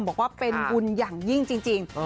บอกว่าเป็นบุญอย่างยิ่งจริง